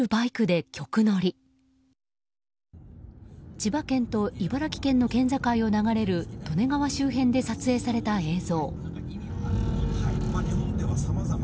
千葉県と茨城県の県境を流れる利根川周辺で撮影された映像。